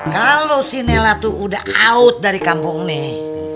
kalau si nelak tuh udah out dari kampung nih